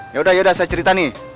yaudah yaudah saya cerita nih